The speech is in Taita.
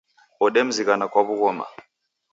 Odemzighana kwa w'ughoma